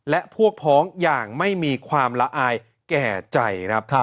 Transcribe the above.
และพวกพ้องอย่างไม่มีความละอายแก่ใจครับ